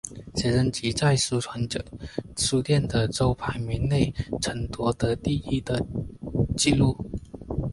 写真集在书泉书店的周排名内曾夺得第一名的纪录。